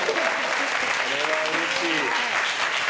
これはうれしい！